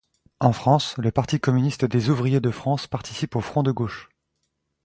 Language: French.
En France, le Parti communiste des ouvriers de France participe au Front de gauche.